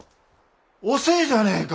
遅えじゃねえか。